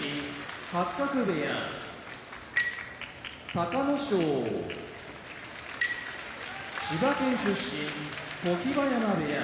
隆の勝千葉県出身常盤山部屋